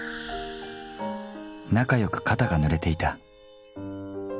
仲良く肩が濡れていた。